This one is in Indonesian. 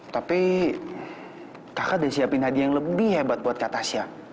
tapi kakak udah siapin hadiah yang lebih hebat buat kak tasya